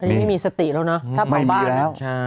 อันนี้ไม่มีสติแล้วเนอะถ้าเผาบ้านไม่มีแล้วใช่